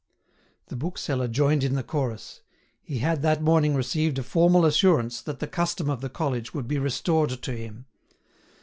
The bookseller joined in the chorus; he had that morning received a formal assurance that the custom of the college would be restored to him.